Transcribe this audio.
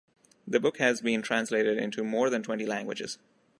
The book has been translated into more than twenty languages.